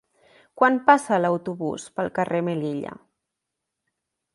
Quan passa l'autobús pel carrer Melilla?